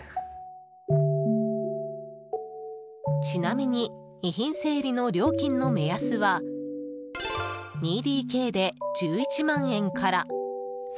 ちなみに遺品整理の料金の目安は２ＤＫで１１万円から。